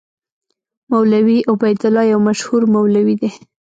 مولوي عبیدالله یو مشهور مولوي دی.